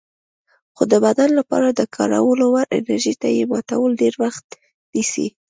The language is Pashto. خو د بدن لپاره د کارولو وړ انرژي ته یې ماتول ډېر وخت نیسي.